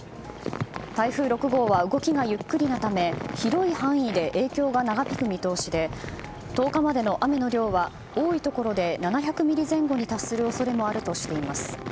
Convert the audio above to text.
台風６号は動きがゆっくりなため広い範囲で影響が長引く見通しで１０日までの雨の量は多いところで７００ミリ前後に達する恐れもあるとしています。